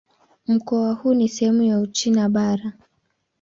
Mkoa huu ni sehemu ya Uchina Bara.